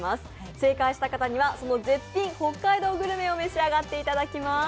正解した方にはその絶品北海道グルメを召し上がっていただきます。